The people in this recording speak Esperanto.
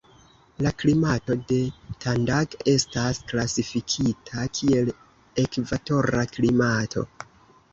La klimato de Tandag estas klasifikita kiel ekvatora klimato.